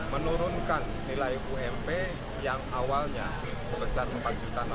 menurunkan nilai ump yang awalnya sebesar rp empat enam ratus